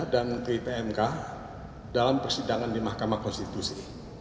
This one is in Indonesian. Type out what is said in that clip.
dan menteri pmk dalam persidangan di mahkamah konstitusi